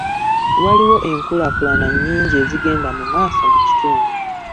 Waliwo enkulaakulana nnyingi ezigenda mu maaso mu kitundu.